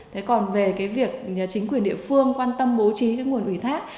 thế còn về cái việc chính quyền địa phương quan tâm bố trí cái nguồn ủy thác